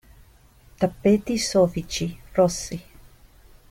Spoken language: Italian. Tappeti soffici, rossi.